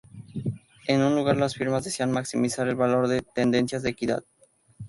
En lugar las firmas desean maximizar el valor de sus tenencias de equidad.